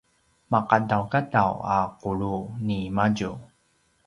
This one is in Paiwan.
maqadaqadaw a qulu ni madju